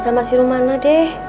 sama si romana deh